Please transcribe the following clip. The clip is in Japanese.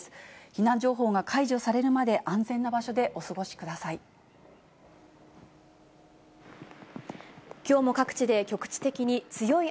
避難情報が解除されるまで安全な場所でお過ごしください。